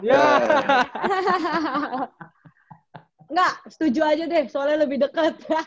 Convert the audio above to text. enggak setuju aja deh soalnya lebih deket